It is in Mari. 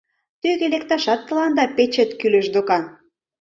Тӱгӧ лекташат тыланда печет кӱлеш докан...